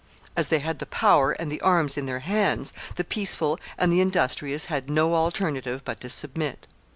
As they had the power and the arms in their hands, the peaceful and the industrious had no alternative but to submit.